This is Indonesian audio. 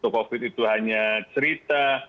covid itu hanya cerita